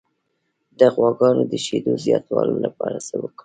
د غواګانو د شیدو زیاتولو لپاره څه وکړم؟